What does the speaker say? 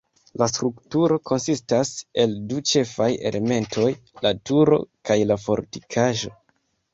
La strukturo konsistas el du ĉefaj elementoj: la turo kaj la fortikaĵo.